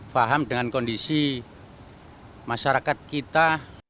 faham dengan kondisi masyarakat kita